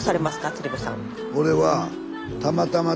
鶴瓶さん。